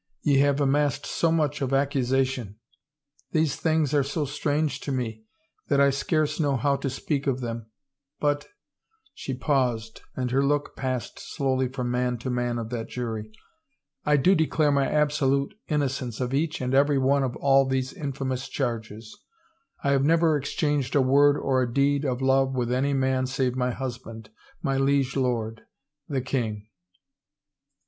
... Ye have amassed so much of accusation! ... These things are so strange to me that I scarce know how to speak of them, but," she paused and her look passed slowly from man to man of that jury, " I do declare my absolute in nocence of each and every one of all these infamous charges. ... I have never exchanged a word or a deed of love with, any man save my husband, my liege lord, the king."